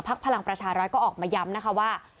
พลังประชารัฐก็ออกมาย้ำนะคะว่า